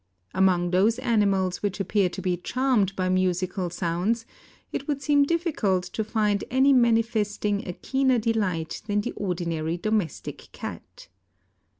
Among those animals which appear to be charmed by musical sounds, it would seem difficult to find any manifesting a keener delight than the ordinary domestic cat.